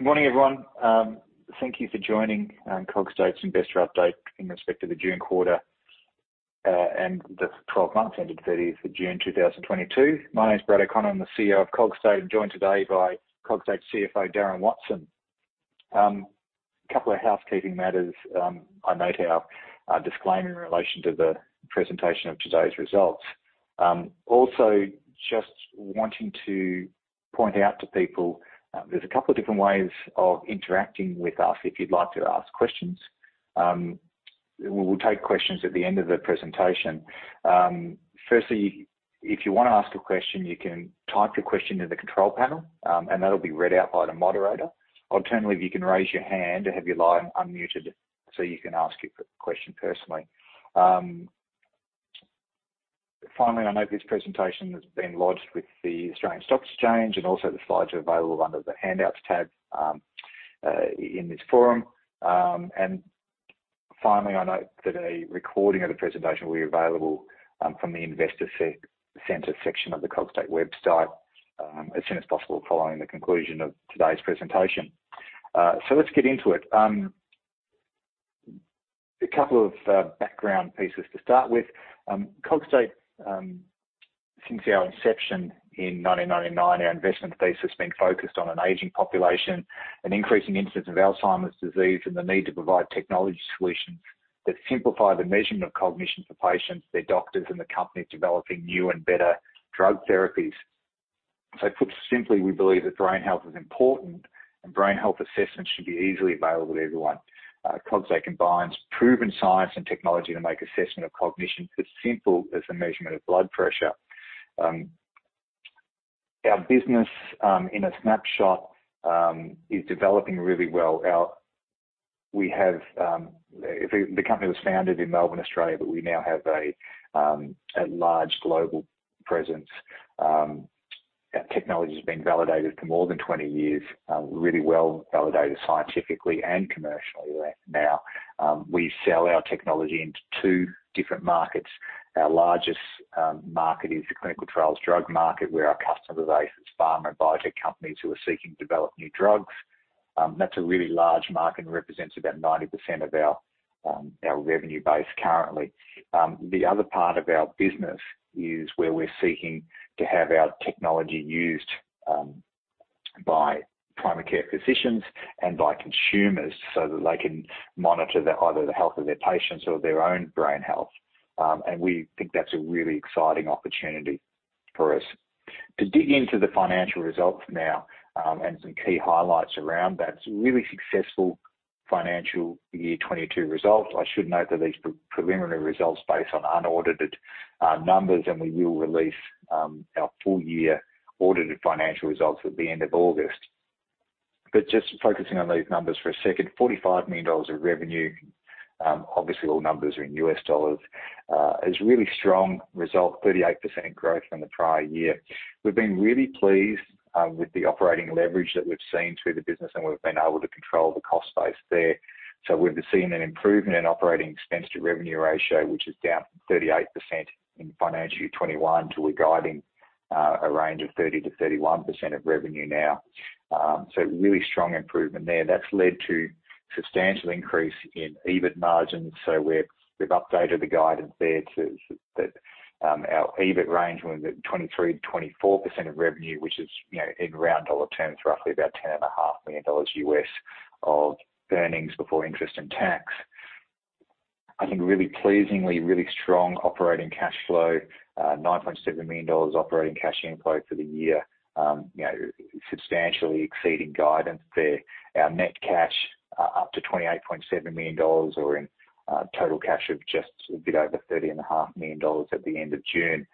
Good morning, everyone. Thank you for joining Cogstate's investor update in respect to the June quarter, and the 12 months ending 30 June 2022. My name is Brad O'Connor. I'm the CEO of Cogstate. I'm joined today by Cogstate CFO, Darren Watson. Couple of housekeeping matters. I note our disclaimer in relation to the presentation of today's results. Also just wanting to point out to people, there's a couple of different ways of interacting with us. If you'd like to ask questions, we will take questions at the end of the presentation. Firstly, if you wanna ask a question, you can type your question in the control panel, and that'll be read out by the moderator. Alternatively, you can raise your hand or have your line unmuted, so you can ask your question personally. Finally, I note this presentation has been lodged with the Australian Stock Exchange and also the slides are available under the Handouts tab in this forum. Finally, I note that a recording of the presentation will be available from the Investor Center section of the Cogstate website as soon as possible following the conclusion of today's presentation. Let's get into it. A couple of background pieces to start with. Cogstate, since our inception in 1999, our investment thesis has been focused on an aging population, an increasing incidence of Alzheimer's disease, and the need to provide technology solutions that simplify the measurement of cognition for patients, their doctors, and the companies developing new and better drug therapies. Put simply, we believe that brain health is important, and brain health assessments should be easily available to everyone. Cogstate combines proven science and technology to make assessment of cognition as simple as the measurement of blood pressure. Our business, in a snapshot, is developing really well. The company was founded in Melbourne, Australia, but we now have a large global presence. Our technology has been validated for more than 20 years, really well validated scientifically and commercially right now. We sell our technology into two different markets. Our largest market is the clinical trials drug market, where our customer base is pharma and biotech companies who are seeking to develop new drugs. That's a really large market and represents about 90% of our revenue base currently. The other part of our business is where we're seeking to have our technology used by primary care physicians and by consumers so that they can monitor the either the health of their patients or their own brain health. We think that's a really exciting opportunity for us. To dig into the financial results now and some key highlights around that. Really successful financial year 2022 results. I should note that these preliminary results based on unaudited numbers, and we will release our full year audited financial results at the end of August. Just focusing on these numbers for a second, 45 million dollars of revenue, obviously all numbers are in U.S. dollars, is really strong result, 38% growth from the prior year. We've been really pleased with the operating leverage that we've seen through the business and we've been able to control the cost base there. We've seen an improvement in operating expense to revenue ratio, which is down from 38% in financial year 2021 to we're guiding a range of 30%-31% of revenue now. Really strong improvement there. That's led to substantial increase in EBIT margins. We've updated the guidance there so that our EBIT range went at 23%-24% of revenue, which is, you know, in round dollar terms, roughly about 10.5 million dollars of earnings before interest and tax. I think really pleasingly strong operating cash flow, 9.7 million dollars operating cash inflow for the year, you know, substantially exceeding guidance there. Our net cash up to 28.7 million dollars or in total cash of just a bit over 30.5 million dollars at the end of June.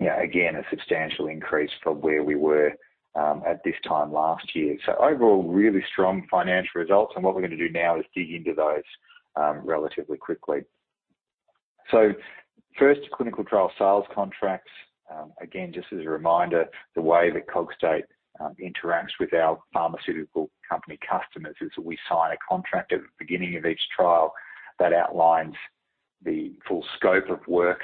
You know, again, a substantial increase from where we were at this time last year. Overall, really strong financial results and what we're gonna do now is dig into those relatively quickly. First, clinical trial sales contracts. Again, just as a reminder, the way that Cogstate interacts with our pharmaceutical company customers is we sign a contract at the beginning of each trial that outlines the full scope of work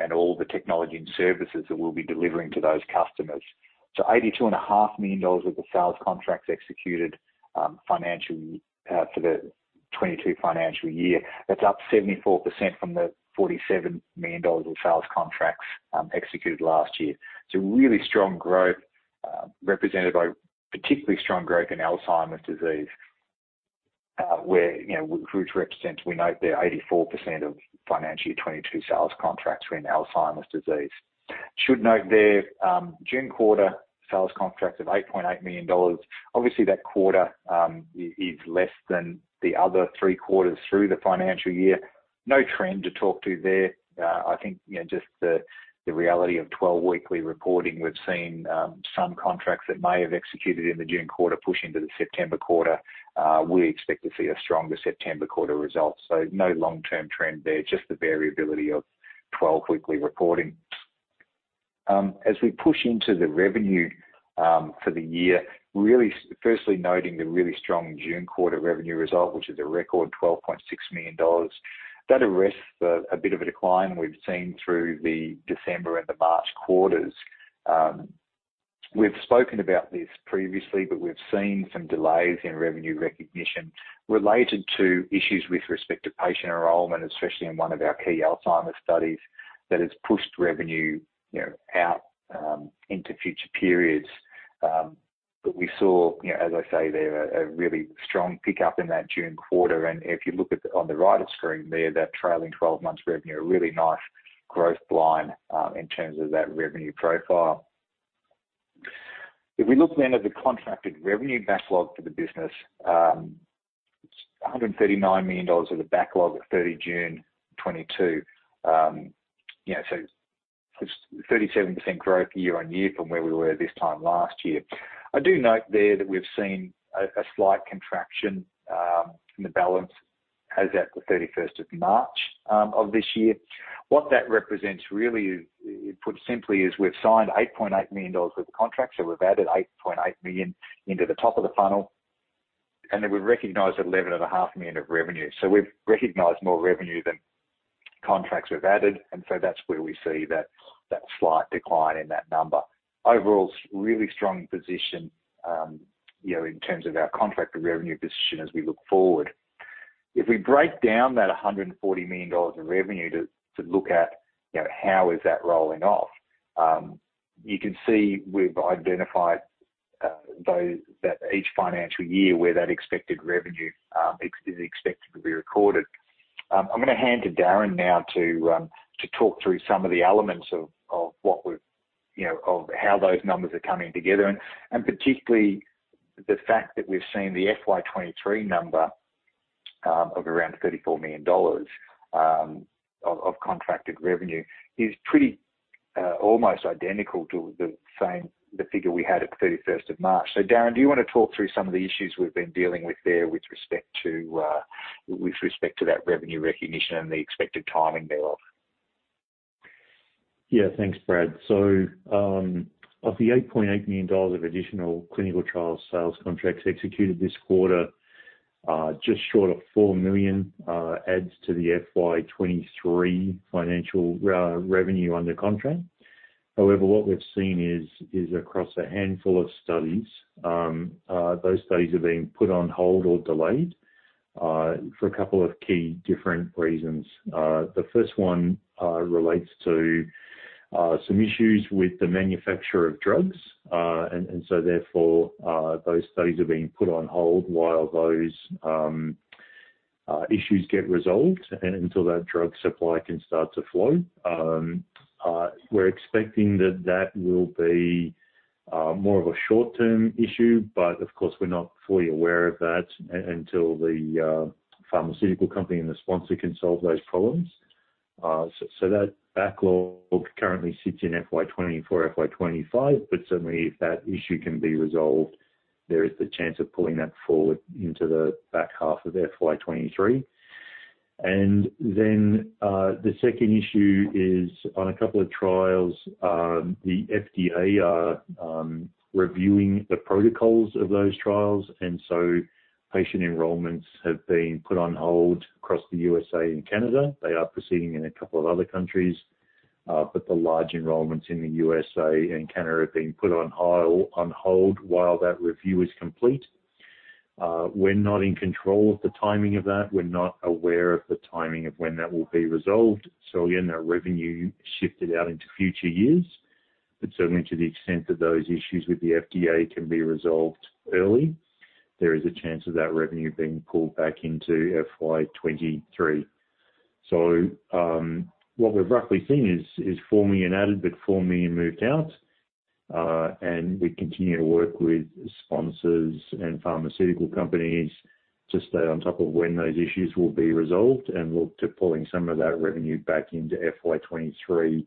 and all the technology and services that we'll be delivering to those customers. 82.5 million dollars worth of sales contracts executed financially for the 2022 financial year. That's up 74% from the 47 million dollars of sales contracts executed last year. It's a really strong growth represented by particularly strong growth in Alzheimer's disease, where you know which represents, we note there 84% of financial year 2022 sales contracts were in Alzheimer's disease. Should note there June quarter sales contracts of 8.8 million dollars. Obviously, that quarter is less than the other three quarters through the financial year. No trend to talk about there. I think you know just the reality of 12-weekly reporting. We've seen some contracts that may have executed in the June quarter push into the September quarter. We expect to see a stronger September quarter result. No long-term trend there, just the variability of 12-weekly reporting. As we push into the revenue for the year, really firstly noting the really strong June quarter revenue result, which is a record 12.6 million dollars. That arrests a bit of a decline we've seen through the December and the March quarters. We've spoken about this previously, but we've seen some delays in revenue recognition related to issues with respect to patient enrollment, especially in one of our key Alzheimer's studies, that has pushed revenue, you know, out into future periods. But we saw, you know, as I say, there a really strong pickup in that June quarter. If you look at on the right of screen there, that trailing 12 months revenue, a really nice growth line in terms of that revenue profile. If we look then at the contracted revenue backlog for the business, it's 139 million dollars of the backlog at 30 June 2022. You know, 37% growth year-on-year from where we were this time last year. I do note there that we've seen a slight contraction in the balance as at the 31st of March of this year. What that represents really, put simply, is we've signed 8.8 million dollars worth of contracts, so we've added 8.8 million into the top of the funnel, and then we've recognized 11.5 million of revenue. We've recognized more revenue than contracts we've added, and so that's where we see that slight decline in that number. Overall really strong position, you know, in terms of our contracted revenue position as we look forward. If we break down that 140 million dollars of revenue to look at, you know, how is that rolling off, you can see we've identified those that each financial year where that expected revenue is expected to be recorded. I'm gonna hand to Darren now to talk through some of the elements of what we've, you know, of how those numbers are coming together, and particularly the fact that we've seen the FY 2023 number of around 34 million dollars of contracted revenue is pretty almost identical to the figure we had at 31 March. Darren, do you wanna talk through some of the issues we've been dealing with there with respect to that revenue recognition and the expected timing thereof? Yeah, thanks, Brad. Of the 8.8 million dollars of additional clinical trial sales contracts executed this quarter, just short of 4 million adds to the FY 2023 financial revenue under contract. However, what we've seen is across a handful of studies, those studies are being put on hold or delayed for a couple of key different reasons. The first one relates to some issues with the manufacturer of drugs. Therefore, those studies are being put on hold while those issues get resolved and until that drug supply can start to flow. We're expecting that will be more of a short term issue, but of course, we're not fully aware of that until the pharmaceutical company and the sponsor can solve those problems. That backlog currently sits in FY 2024, FY 2025, but certainly if that issue can be resolved, there is the chance of pulling that forward into the back half of FY 2023. The second issue is on a couple of trials, the FDA are reviewing the protocols of those trials, and so patient enrollments have been put on hold across the U.S.A. and Canada. They are proceeding in a couple of other countries, but the large enrollments in the U.S.A. and Canada have been put on hold while that review is complete. We're not in control of the timing of that. We're not aware of the timing of when that will be resolved. Again, our revenue shifted out into future years, but certainly to the extent that those issues with the FDA can be resolved early, there is a chance of that revenue being pulled back into FY 2023. What we've roughly seen is 4 million added, but 4 million moved out. We continue to work with sponsors and pharmaceutical companies to stay on top of when those issues will be resolved, and look to pulling some of that revenue back into FY 2023,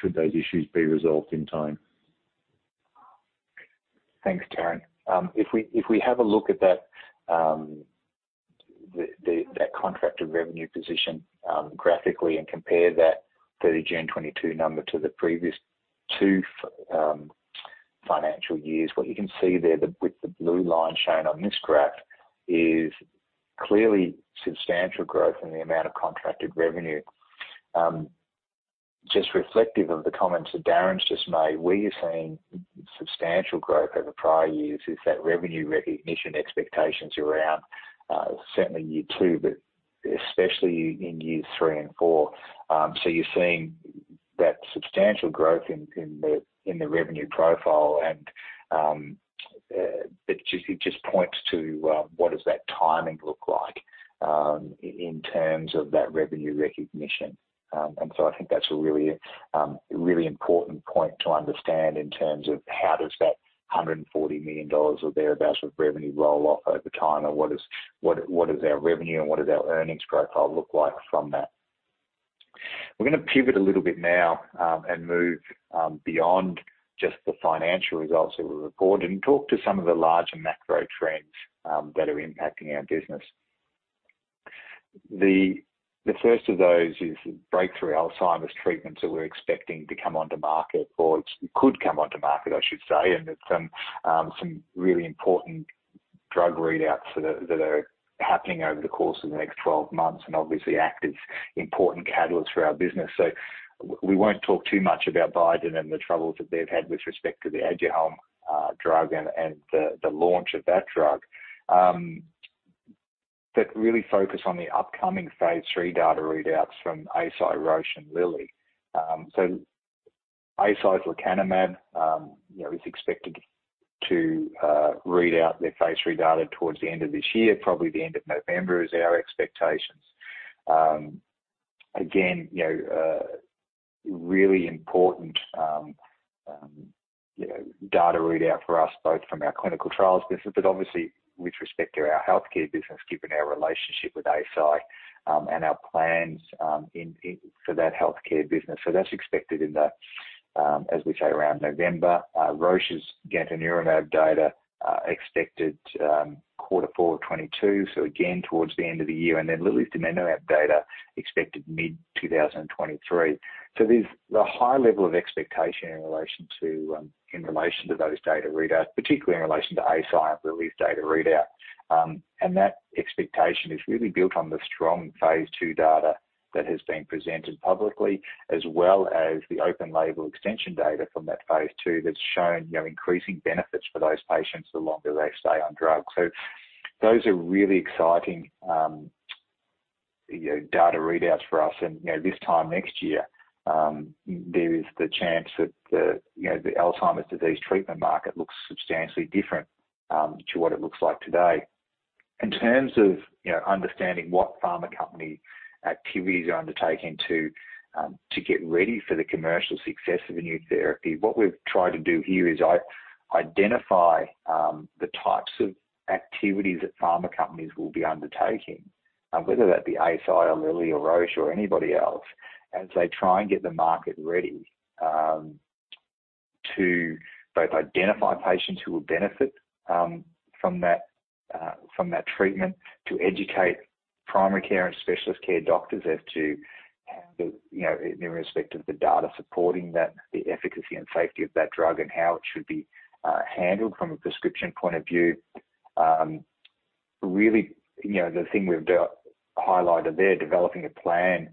should those issues be resolved in time. Thanks, Darren. If we have a look at that contracted revenue position graphically and compare that 30 June 2022 number to the previous two financial years, what you can see there with the blue line shown on this graph is clearly substantial growth in the amount of contracted revenue. Just reflective of the comments that Darren's just made, we are seeing substantial growth over prior years in that revenue recognition expectations around certainly year two, but especially in years three and four. You're seeing that substantial growth in the revenue profile, but it just points to what does that timing look like in terms of that revenue recognition. I think that's a really important point to understand in terms of how does that 140 million dollars or thereabout of revenue roll off over time, and what is our revenue and what does our earnings profile look like from that? We're gonna pivot a little bit now, and move beyond just the financial results that we recorded and talk to some of the larger macro trends that are impacting our business. The first of those is breakthrough Alzheimer's treatments that we're expecting to come onto market, or could come onto market, I should say. There's some really important drug readouts that are happening over the course of the next 12 months. Obviously, AD is important catalyst for our business. We won't talk too much about Biogen and the troubles that they've had with respect to the ADUHELM drug and the launch of that drug. Really focus on the upcoming phase III data readouts from Eisai, Roche, and Eli Lilly. Eisai's Lecanemab you know is expected to read out their phase III data towards the end of this year, probably the end of November is our expectations. Again, you know, a really important data readout for us, both from our clinical trials business, but obviously with respect to our healthcare business, given our relationship with Eisai and our plans for that healthcare business. That's expected as we say, around November. Roche's Gantenerumab data expected quarter four 2022, again towards the end of the year. Eli Lilly's Donanemab data expected mid-2023. There's a high level of expectation in relation to in relation to those data readouts, particularly in relation to Eisai and Eli Lilly's data readout. That expectation is really built on the strong phase II data that has been presented publicly, as well as the open label extension data from that phase II that's shown, you know, increasing benefits for those patients the longer they stay on drug. Those are really exciting, you know, data readouts for us. You know, this time next year, there is the chance that the, you know, the Alzheimer's disease treatment market looks substantially different, to what it looks like today. In terms of, you know, understanding what pharma company activities are undertaking to get ready for the commercial success of a new therapy, what we've tried to do here is identify the types of activities that pharma companies will be undertaking, whether that be Eisai or Eli Lilly or Roche or anybody else, as they try and get the market ready, to both identify patients who will benefit from that treatment, to educate primary care and specialist care doctors as to how the, you know, in respect of the data supporting that, the efficacy and safety of that drug and how it should be handled from a prescription point of view. Really, you know, the thing we've highlighted there, developing a plan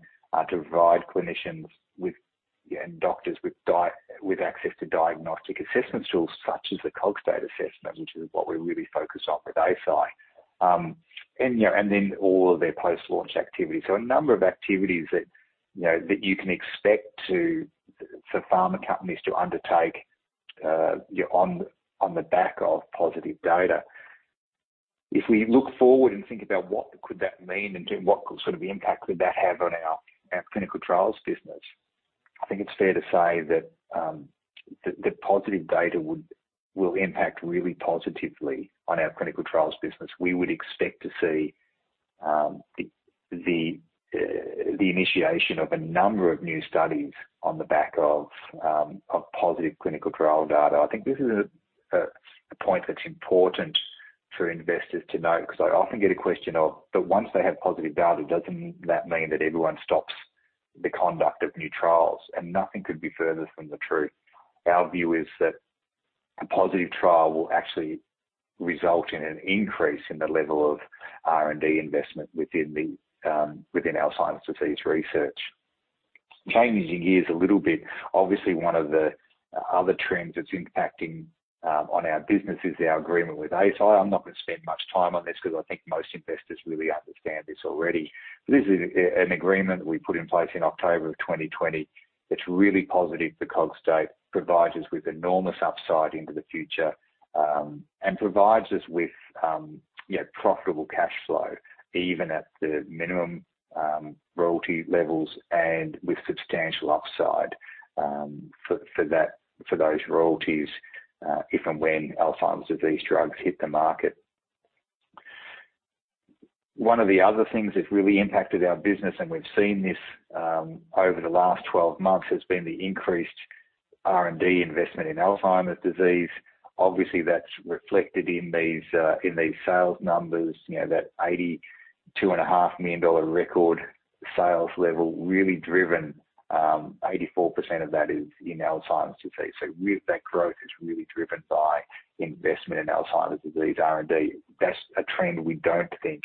to provide clinicians with and doctors with access to diagnostic assessment tools such as the Cogstate assessment, which is what we're really focused on with Eisai. All of their post-launch activities. A number of activities that, you know, that you can expect to for pharma companies to undertake, you know, on the back of positive data. If we look forward and think about what could that mean and what sort of impact could that have on our clinical trials business, I think it's fair to say that positive data will impact really positively on our clinical trials business. We would expect to see the initiation of a number of new studies on the back of positive clinical trial data. I think this is a point that's important for investors to note because I often get a question of, "But once they have positive data, doesn't that mean that everyone stops the conduct of new trials?" Nothing could be further from the truth. Our view is that a positive trial will actually result in an increase in the level of R&D investment within the Alzheimer's disease research. Changing gears a little bit, obviously one of the other trends that's impacting on our business is our agreement with Eisai. I'm not gonna spend much time on this because I think most investors really understand this already. This is an agreement we put in place in October of 2020. It's really positive for Cogstate, provides us with enormous upside into the future, and provides us with, you know, profitable cash flow, even at the minimum royalty levels and with substantial upside for those royalties, if and when Alzheimer's disease drugs hit the market. One of the other things that's really impacted our business, and we've seen this over the last 12 months, has been the increased R&D investment in Alzheimer's disease. Obviously, that's reflected in these sales numbers. You know, that 82.5 million dollar record sales level really driven, 84% of that is in Alzheimer's disease. That growth is really driven by investment in Alzheimer's disease R&D. That's a trend we don't think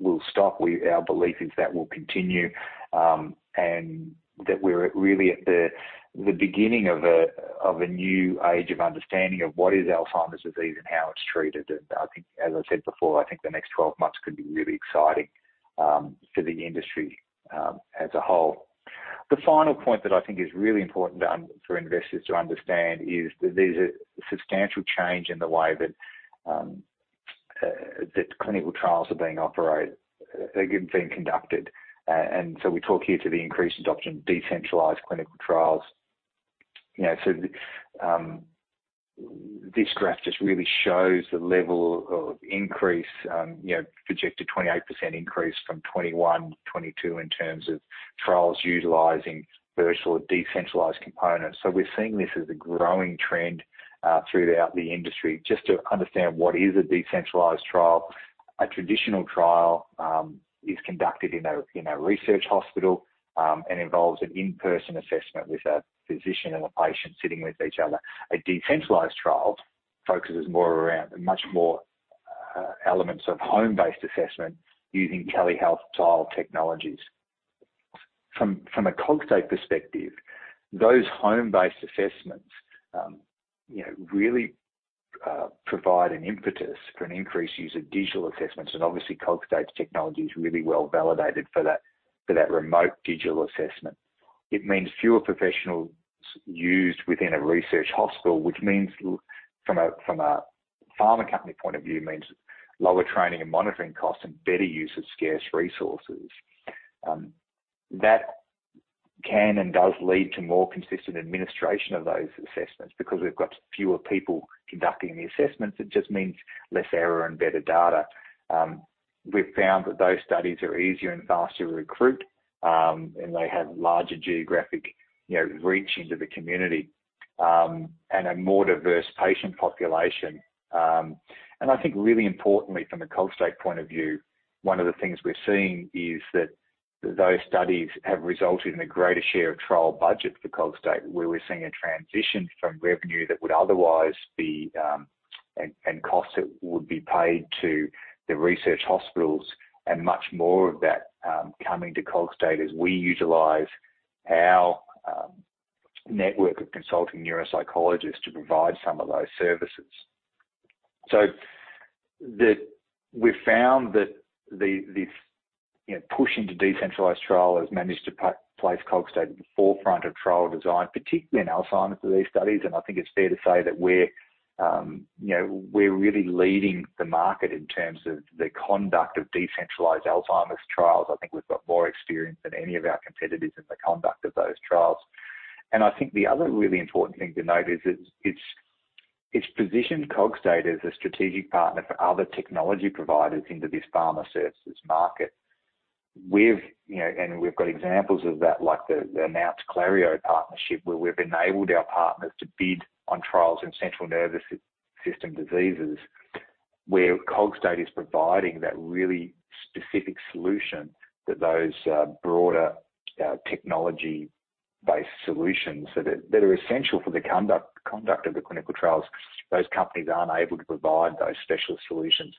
will stop. Our belief is that will continue, and that we're really at the beginning of a new age of understanding of what is Alzheimer's disease and how it's treated. I think, as I said before, I think the next 12 months could be really exciting for the industry as a whole. The final point that I think is really important for investors to understand is that there's a substantial change in the way that clinical trials are being conducted. We talk here to the increased adoption of decentralized clinical trials. This graph just really shows the level of increase, you know, projected 28% increase from 2021, 2022 in terms of trials utilizing virtual or decentralized components. We're seeing this as a growing trend throughout the industry. Just to understand what is a decentralized trial. A traditional trial is conducted in a research hospital and involves an in-person assessment with a physician and a patient sitting with each other. A decentralized trial focuses more around much more elements of home-based assessment using telehealth style technologies. From a Cogstate perspective, those home-based assessments, you know, really provide an impetus for an increased use of digital assessments. Obviously, Cogstate's technology is really well validated for that remote digital assessment. It means fewer professionals used within a research hospital, which means from a pharma company point of view, means lower training and monitoring costs and better use of scarce resources. That can and does lead to more consistent administration of those assessments because we've got fewer people conducting the assessments. It just means less error and better data. We've found that those studies are easier and faster to recruit, and they have larger geographic, you know, reach into the community, and a more diverse patient population. I think really importantly from a Cogstate point of view, one of the things we're seeing is that those studies have resulted in a greater share of trial budget for Cogstate, where we're seeing a transition from revenue that would otherwise be, and costs that would be paid to the research hospitals and much more of that, coming to Cogstate as we utilize our network of consulting neuropsychologists to provide some of those services. We've found that the, you know, push into decentralized trial has managed to place Cogstate at the forefront of trial design, particularly in Alzheimer's disease studies. I think it's fair to say that we're, you know, we're really leading the market in terms of the conduct of decentralized Alzheimer's trials. I think we've got more experience than any of our competitors in the conduct of those trials. I think the other really important thing to note is it's positioned Cogstate as a strategic partner for other technology providers into this pharma services market. We've, you know, we've got examples of that, like the announced Clario partnership, where we've enabled our partners to bid on trials in central nervous system diseases, where Cogstate is providing that really specific solution that those broader technology-based solutions that are essential for the conduct of the clinical trials. Those companies aren't able to provide those special solutions.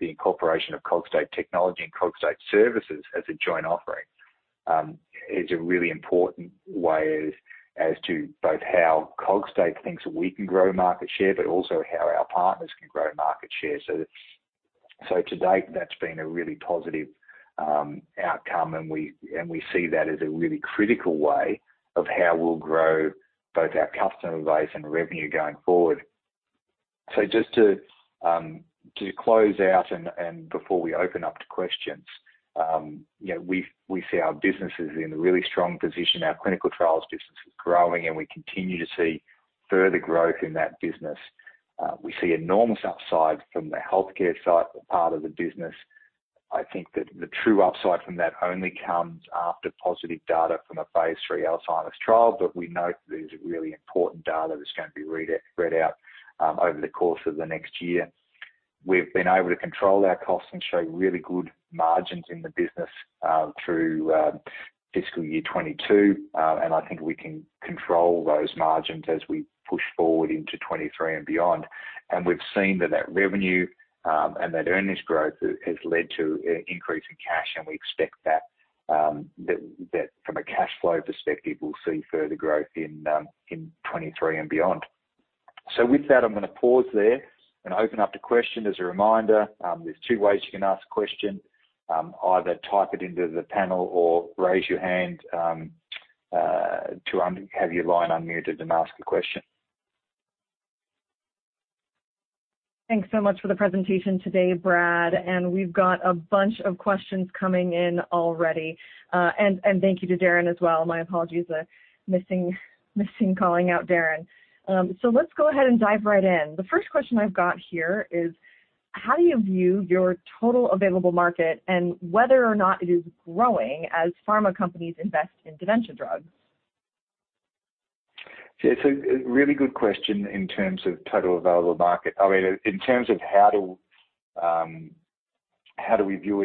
The incorporation of Cogstate technology and Cogstate services as a joint offering is a really important way as to both how Cogstate thinks we can grow market share, but also how our partners can grow market share. To date, that's been a really positive outcome. We see that as a really critical way of how we'll grow both our customer base and revenue going forward. Just to close out and before we open up to questions, you know, we see our business is in a really strong position. Our clinical trials business is growing, and we continue to see further growth in that business. We see enormous upside from the healthcare side part of the business. I think that the true upside from that only comes after positive data from a phase III Alzheimer's trial. We note that there's a really important data that's going to be read out over the course of the next year. We've been able to control our costs and show really good margins in the business through fiscal year 2022. I think we can control those margins as we push forward into 2023 and beyond. We've seen that revenue and that earnings growth has led to increase in cash, and we expect that from a cash flow perspective, we'll see further growth in 2023 and beyond. With that, I'm gonna pause there and open up to questions. As a reminder, there's two ways you can ask a question. Either type it into the panel or raise your hand to have your line unmuted and ask a question. Thanks so much for the presentation today, Brad, and we've got a bunch of questions coming in already. Thank you to Darren as well. My apologies, missing calling out Darren. Let's go ahead and dive right in. The first question I've got here is: How do you view your total available market and whether or not it is growing as pharma companies invest in dementia drugs? It's a really good question in terms of total available market. I mean, in terms of how do we view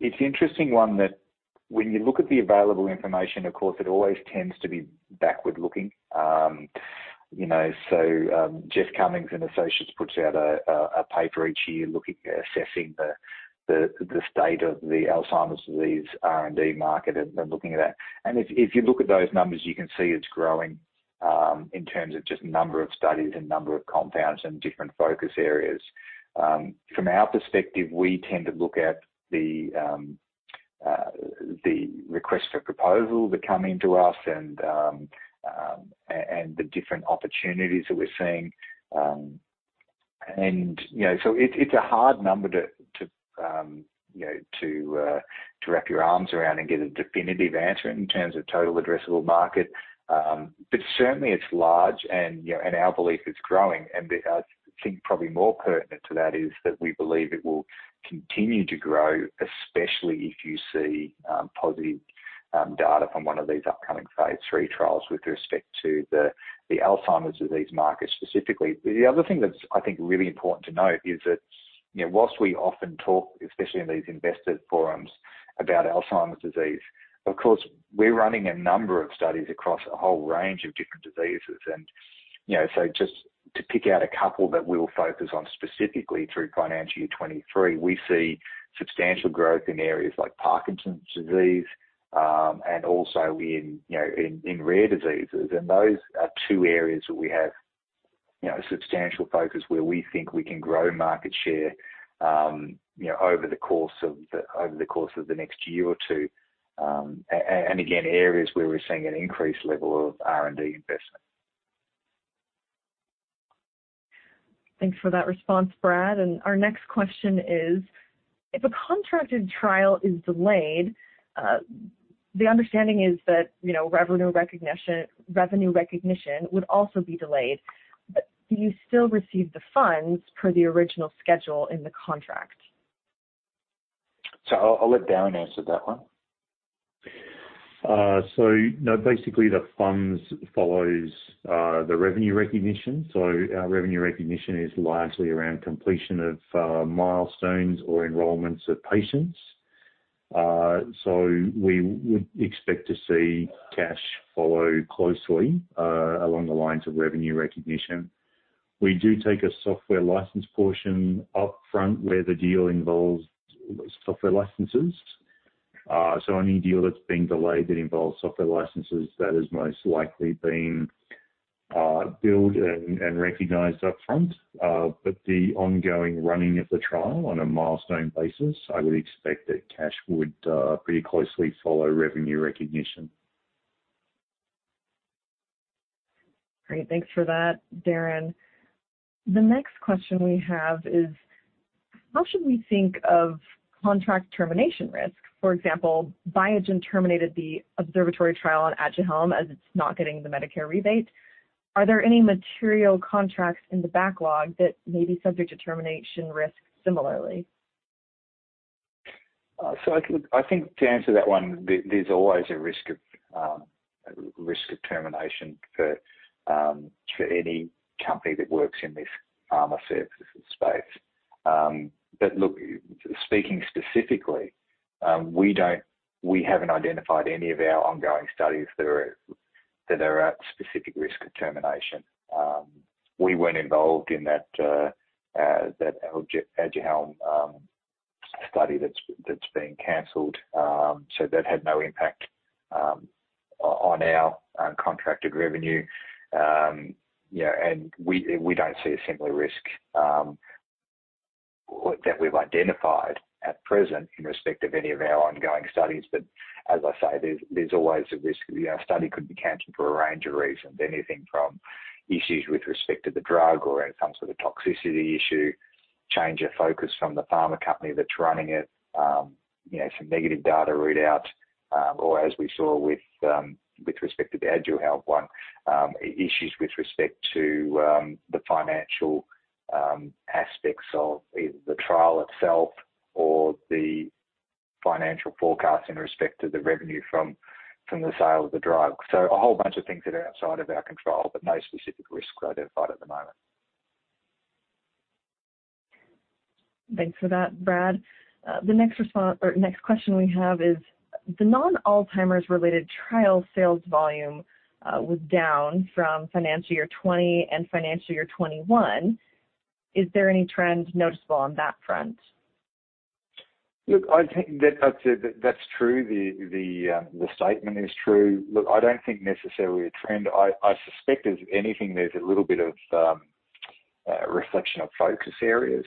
it's interesting one that when you look at the available information, of course, it always tends to be backward-looking. Jeffrey Cummings and Associates puts out a paper each year assessing the state of the Alzheimer's disease R&D market and looking at that. If you look at those numbers, you can see it's growing in terms of just number of studies and number of compounds and different focus areas. From our perspective, we tend to look at the request for proposal that come into us and the different opportunities that we're seeing. You know, it's a hard number to you know, to wrap your arms around and get a definitive answer in terms of total addressable market. But certainly it's large and you know, our belief is growing. I think probably more pertinent to that is that we believe it will continue to grow, especially if you see positive data from one of these upcoming phase III trials with respect to the Alzheimer's disease market specifically. The other thing that's I think, really important to note is that you know, while we often talk, especially in these investor forums about Alzheimer's disease, of course, we're running a number of studies across a whole range of different diseases. You know, so just to pick out a couple that we'll focus on specifically through financial year 2023, we see substantial growth in areas like Parkinson's disease, and also in, you know, rare diseases. Those are two areas that we have, you know, substantial focus where we think we can grow market share, you know, over the course of the next year or two. And again, areas where we're seeing an increased level of R&D investment. Thanks for that response, Brad. Our next question is, if a contracted trial is delayed, the understanding is that, you know, revenue recognition would also be delayed, but do you still receive the funds per the original schedule in the contract? I'll let Darren Watson answer that one. No, basically the funds follows the revenue recognition. Our revenue recognition is largely around completion of milestones or enrollments of patients. We would expect to see cash follow closely along the lines of revenue recognition. We do take a software license portion upfront where the deal involves software licenses. Any deal that's been delayed that involves software licenses, that has most likely been billed and recognized upfront. The ongoing running of the trial on a milestone basis, I would expect that cash would pretty closely follow revenue recognition. Great. Thanks for that, Darren. The next question we have is, how should we think of contract termination risk? For example, Biogen terminated the observational trial on ADUHELM, as it's not getting the Medicare rebate. Are there any material contracts in the backlog that may be subject to termination risk similarly? Look, I think to answer that one, there's always a risk of termination for any company that works in this pharma services space. Look, speaking specifically, we haven't identified any of our ongoing studies that are at specific risk of termination. We weren't involved in that ADUHELM study that's been canceled. That had no impact on our contracted revenue. You know, we don't see a similar risk that we've identified at present in respect of any of our ongoing studies. As I say, there's always a risk. You know, a study could be canceled for a range of reasons, anything from issues with respect to the drug or some sort of toxicity issue, change of focus from the pharma company that's running it, you know, some negative data read out. Or as we saw with respect to the ADUHELM one, issues with respect to the financial aspects of the trial itself or the financial forecast in respect to the revenue from the sale of the drug. A whole bunch of things that are outside of our control, but no specific risks are identified at the moment. Thanks for that, Brad. The next response or next question we have is, the non-Alzheimer's related trial sales volume was down from financial year 2020 and financial year 2021. Is there any trend noticeable on that front? Look, I think that that's true. The statement is true. Look, I don't think necessarily a trend. I suspect if anything, there's a little bit of reflection of focus areas.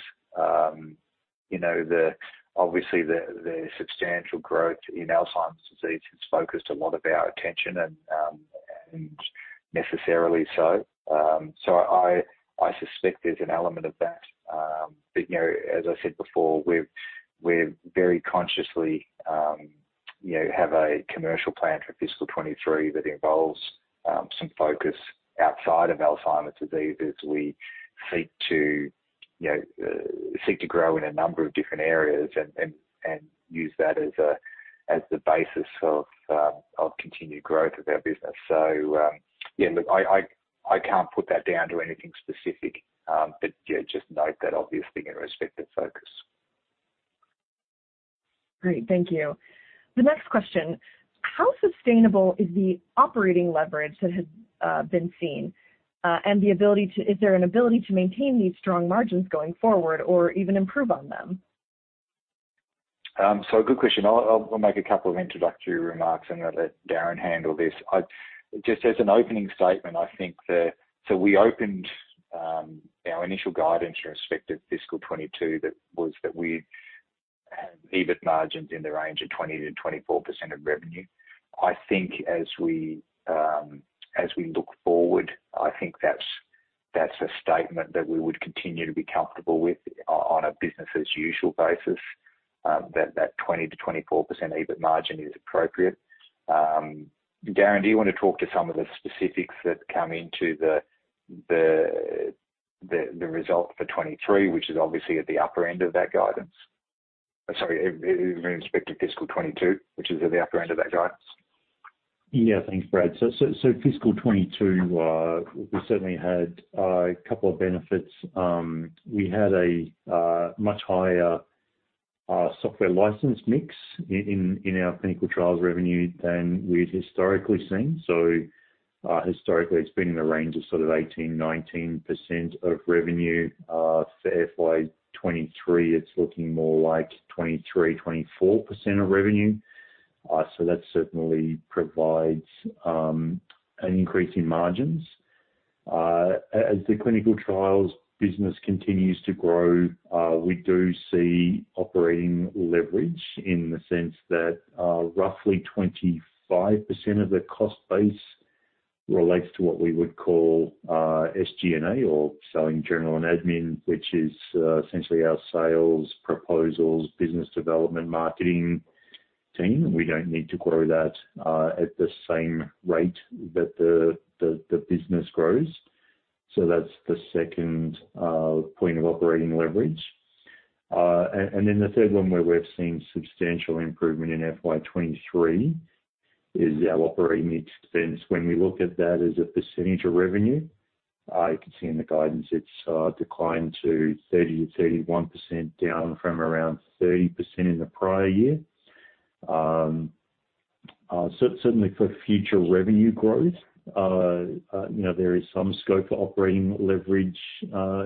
You know, obviously the substantial growth in Alzheimer's disease has focused a lot of our attention and necessarily so. I suspect there's an element of that. You know, as I said before, we've very consciously you know have a commercial plan for fiscal 2023 that involves some focus outside of Alzheimer's disease as we seek to you know grow in a number of different areas and use that as the basis of continued growth of our business. Yeah, look, I can't put that down to anything specific. Yeah, just note that obviously in respect of focus. Great. Thank you. The next question, how sustainable is the operating leverage that has been seen, and is there an ability to maintain these strong margins going forward or even improve on them? Good question. I'll make a couple of introductory remarks, and I'll let Darren handle this. Just as an opening statement, I think we opened our initial guidance in respect of fiscal 2022. That was EBIT margins in the range of 20%-24% of revenue. I think as we look forward, I think that's a statement that we would continue to be comfortable with on a business as usual basis, that 20%-24% EBIT margin is appropriate. Darren, do you want to talk to some of the specifics that come into the result for 2023, which is obviously at the upper end of that guidance? Sorry, with respect to fiscal 2022, which is at the upper end of that guidance. Yeah. Thanks, Brad. Fiscal 2022, we certainly had a couple of benefits. We had a much higher software license mix in our clinical trials revenue than we'd historically seen. Historically, it's been in the range of sort of 18%-19% of revenue. For FY 2023, it's looking more like 23%-24% of revenue. That certainly provides an increase in margins. As the clinical trials business continues to grow, we do see operating leverage in the sense that, roughly 25% of the cost base relates to what we would call SG&A or selling general and admin, which is essentially our sales, proposals, business development, marketing team. We don't need to grow that at the same rate that the business grows. That's the second point of operating leverage. And then the third one where we've seen substantial improvement in FY 2023 is our operating expense. When we look at that as a percentage of revenue, you can see in the guidance, it's declined to 30%-31% down from around 30% in the prior year. Certainly for future revenue growth, you know, there is some scope for operating leverage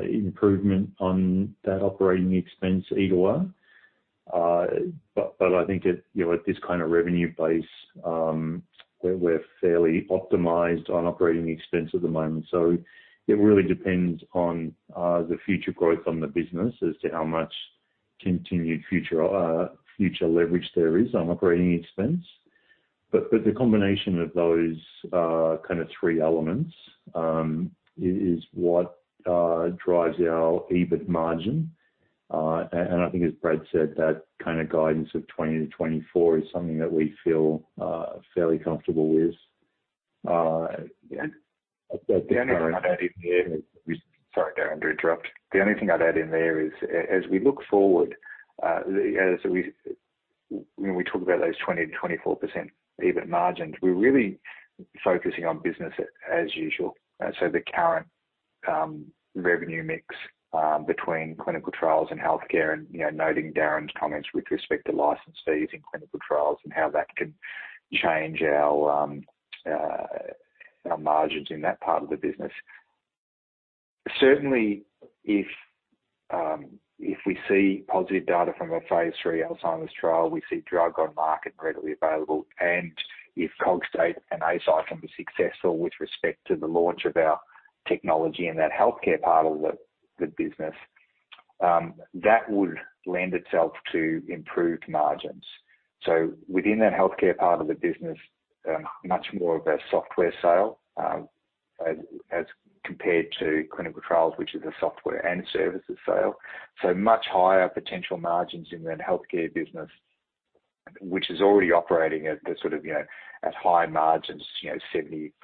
improvement on that operating expense EBITDA. But I think it, you know, at this kind of revenue base, we're fairly optimized on operating expense at the moment. It really depends on the future growth on the business as to how much continued future leverage there is on operating expense. The combination of those kind of three elements is what drives our EBIT margin. I think as Brad said, that kind of guidance of 20%-24% is something that we feel fairly comfortable with. Yeah. The only thing I'd add in there is. Sorry, Darren, to interrupt. The only thing I'd add in there is as we look forward, when we talk about those 20%-24% EBIT margins, we're really focusing on business as usual. The current revenue mix between clinical trials and healthcare and, you know, noting Darren's comments with respect to license fees in clinical trials and how that could change our margins in that part of the business. Certainly, if we see positive data from a phase three Alzheimer's trial, we see drug on market readily available. If Cogstate and Eisai can be successful with respect to the launch of our technology in that healthcare part of the business, that would lend itself to improved margins. Within that healthcare part of the business, much more of a software sale, as compared to clinical trials, which is a software and services sale. Much higher potential margins in that healthcare business, which is already operating at the sort of, you know, at high margins, you know,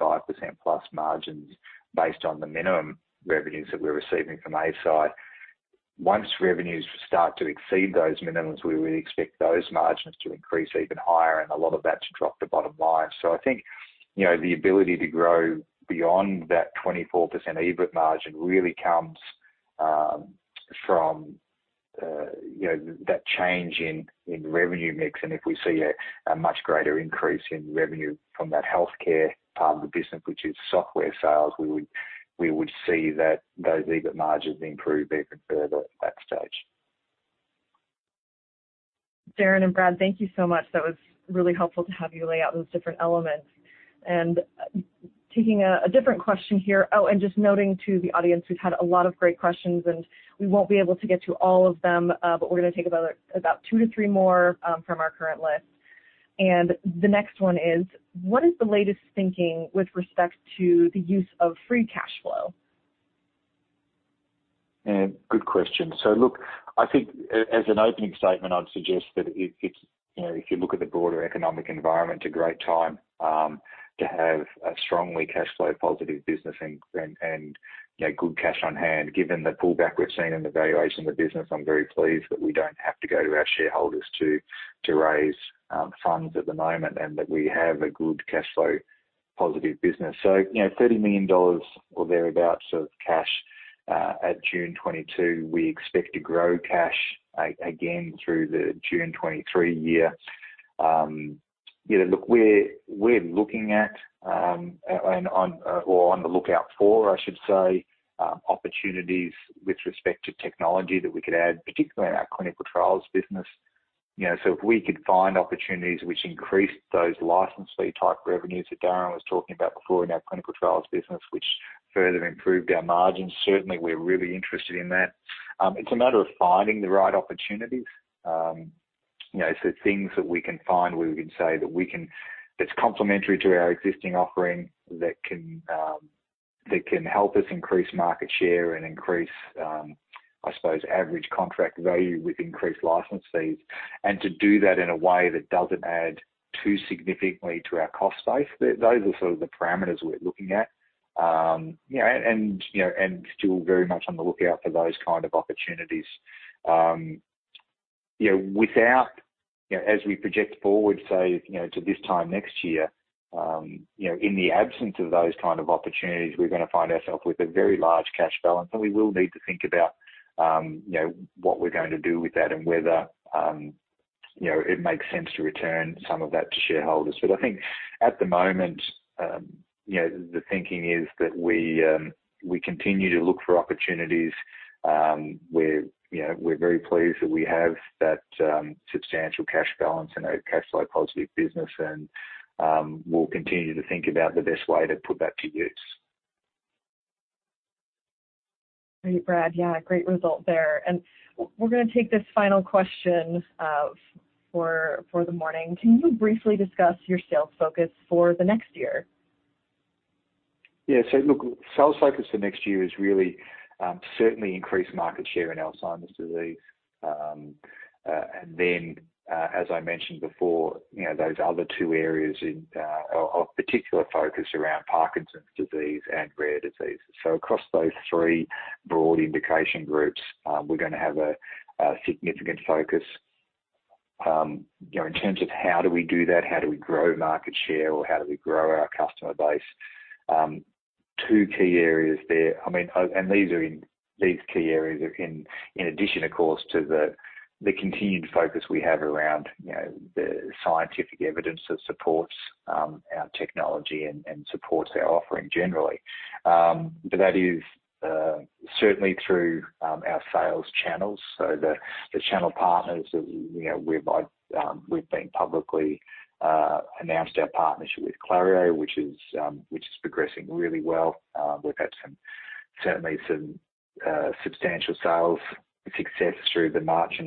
75%+ margins based on the minimum revenues that we're receiving from Eisai. Once revenues start to exceed those minimums, we would expect those margins to increase even higher, and a lot of that to drop to bottom line. I think, you know, the ability to grow beyond that 24% EBIT margin really comes from, you know, that change in revenue mix. If we see a much greater increase in revenue from that healthcare part of the business, which is software sales, we would see that those EBIT margins improve even further at that stage. Darren and Brad, thank you so much. That was really helpful to have you lay out those different elements. Taking a different question here. Oh, and just noting to the audience, we've had a lot of great questions, and we won't be able to get to all of them, but we're gonna take about 2 to 3 more from our current list. The next one is: What is the latest thinking with respect to the use of free cash flow? Good question. Look, I think as an opening statement, I'd suggest that it's, you know, if you look at the broader economic environment, a great time to have a strongly cash flow positive business and, you know, good cash on hand. Given the pullback we've seen in the valuation of the business, I'm very pleased that we don't have to go to our shareholders to raise funds at the moment, and that we have a good cash flow positive business. You know, 30 million dollars or thereabout of cash at June 2022. We expect to grow cash again through the June 2023 year. You know, look, we're looking at and on the lookout for, I should say, opportunities with respect to technology that we could add, particularly in our clinical trials business. You know, if we could find opportunities which increase those license fee type revenues that Darren was talking about before in our clinical trials business, which further improved our margins, certainly we're really interested in that. It's a matter of finding the right opportunities. You know, things that we can find where that's complementary to our existing offering that can help us increase market share and increase, I suppose, average contract value with increased license fees. To do that in a way that doesn't add too significantly to our cost base. Those are sort of the parameters we're looking at. You know, still very much on the lookout for those kind of opportunities. You know, without, you know, as we project forward, say, you know, to this time next year, you know, in the absence of those kind of opportunities, we're gonna find ourself with a very large cash balance, and we will need to think about, you know, what we're going to do with that and whether, you know, it makes sense to return some of that to shareholders. I think at the moment, you know, the thinking is that we continue to look for opportunities. We're, you know, very pleased that we have that substantial cash balance and a cash flow positive business and, we'll continue to think about the best way to put that to use. Great, Brad. Yeah, great result there. We're gonna take this final question for the morning. Can you briefly discuss your sales focus for the next year? Yeah. Look, sales focus for next year is really certainly increase market share in Alzheimer's disease. As I mentioned before, you know, those other two areas are of particular focus around Parkinson's disease and rare diseases. Across those three broad indication groups, we're gonna have a significant focus. You know, in terms of how do we do that, how do we grow market share, or how do we grow our customer base? Two key areas there. I mean, these key areas are in addition, of course, to the continued focus we have around, you know, the scientific evidence that supports our technology and supports our offering generally. That is certainly through our sales channels. The channel partners that you know we have publicly announced our partnership with Clario, which is progressing really well. We've had some, certainly some substantial sales success through the March,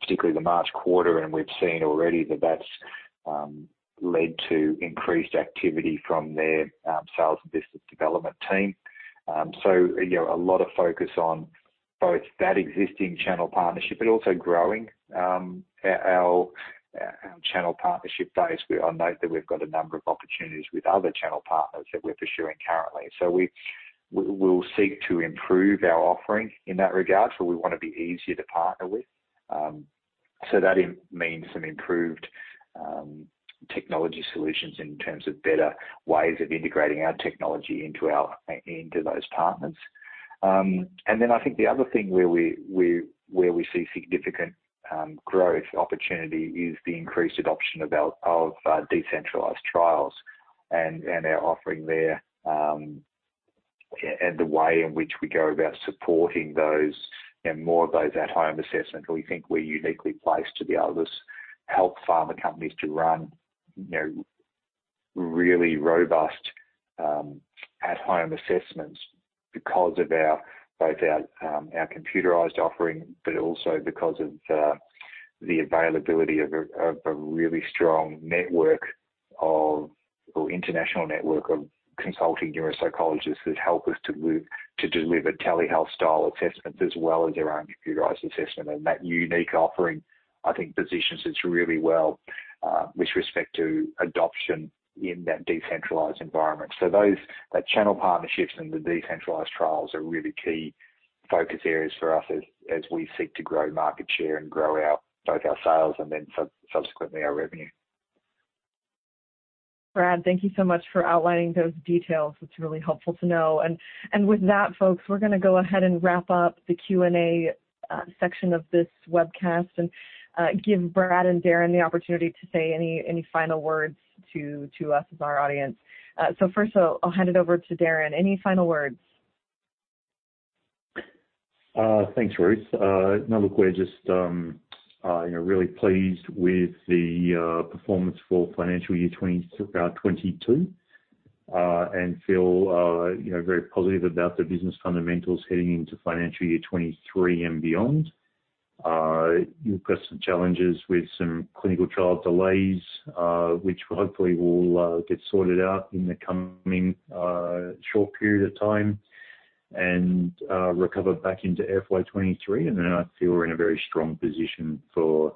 particularly the March quarter, and we've seen already that that's led to increased activity from their sales and business development team. You know, a lot of focus on both that existing channel partnership, but also growing our channel partnership base, where I note that we've got a number of opportunities with other channel partners that we're pursuing currently. We will seek to improve our offering in that regard, so we wanna be easier to partner with. That means some improved technology solutions in terms of better ways of integrating our technology into those partners. I think the other thing where we see significant growth opportunity is the increased adoption of our decentralized trials and our offering there and the way in which we go about supporting those and more of those at-home assessments. We think we're uniquely placed to be able to help pharma companies to run, you know, really robust at-home assessments because of both our computerized offering, but also because of the availability of a really strong network of our international network of consulting neuropsychologists who help us to deliver telehealth style assessments as well as our own computerized assessment. That unique offering, I think, positions us really well with respect to adoption in that decentralized environment. Those, the channel partnerships and the decentralized trials are really key focus areas for us as we seek to grow market share and grow our, both our sales and then subsequently our revenue. Brad, thank you so much for outlining those details. It's really helpful to know. With that, folks, we're gonna go ahead and wrap up the Q&A section of this webcast and give Brad and Darren the opportunity to say any final words to us as our audience. First, I'll hand it over to Darren. Any final words? Thanks, Ruth. No, look, we're just, you know, really pleased with the performance for financial year 2022 and feel, you know, very positive about the business fundamentals heading into financial year 2023 and beyond. We've got some challenges with some clinical trial delays, which hopefully will get sorted out in the coming short period of time and recover back into FY 2023, and then I feel we're in a very strong position for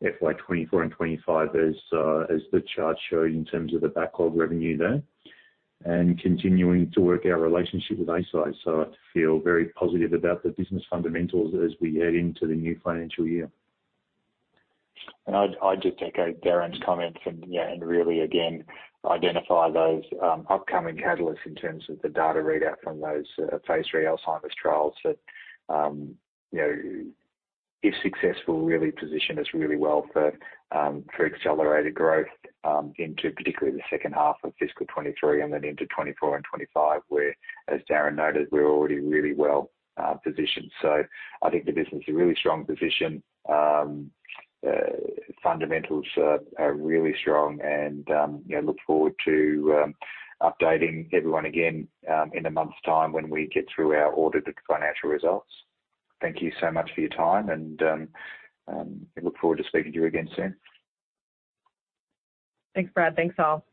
FY 2024 and 2025 as the chart showed in terms of the backlog revenue there, and continuing to work on our relationship with Eisai. I feel very positive about the business fundamentals as we head into the new financial year. I'd just echo Darren's comment from, you know, and really again identify those upcoming catalysts in terms of the data readout from those phase III Alzheimer's trials that, you know, if successful really position us really well for accelerated growth into particularly the second half of fiscal 2023 and then into 2024 and 2025, where, as Darren noted, we're already really well positioned. I think the business is in a really strong position. Fundamentals are really strong and, you know, look forward to updating everyone again in a month's time when we get through our audited financial results. Thank you so much for your time and look forward to speaking to you again soon. Thanks, Brad. Thanks, all.